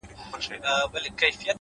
د سړک غاړې ګلان د تیارو منځ کې رنګ ساتي,